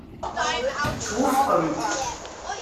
Twufqem-t.